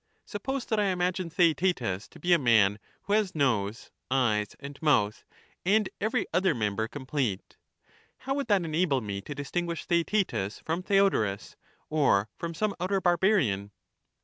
Suppose that I imagine Theaetetus to be a man who has nose, eyes, and mouth, and every other member complete ; how would that enable me to distinguish Theaetetus from Theodorus, or from some outer barbarian